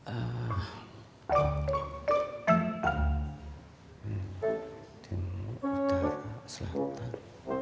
eh di utara selatan